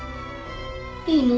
いいの？